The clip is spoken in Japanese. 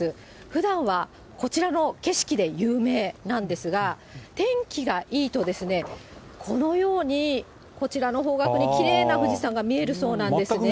ふだんはこちらの景色で有名なんですが、天気がいいと、このように、こちらの方角にきれいな富士山が見えるそうなんですね。